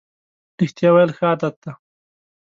رښتیا ویل ښه عادت دی.